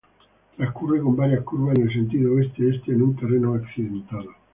Transcurre con varias curvas en el sentido Oeste-Este en un terreno accidentado.